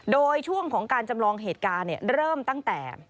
โดยช่วงของการจำลองเหตุการณ์เริ่มตั้งแต่